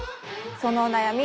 そのお悩み